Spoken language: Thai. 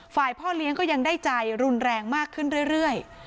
พ่อเลี้ยงก็ยังได้ใจรุนแรงมากขึ้นเรื่อย